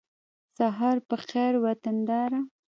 سهار په خېر وطنداره